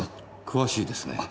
詳しいですね。